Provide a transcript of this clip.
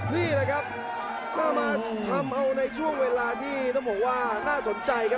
นี่แหละครับก็มาทำเอาในช่วงเวลาที่ต้องบอกว่าน่าสนใจครับ